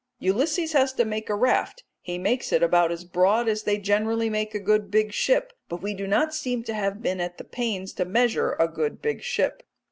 Ulysses has to make a raft; he makes it about as broad as they generally make a good big ship, but we do not seem to have been at the pains to measure a good big ship.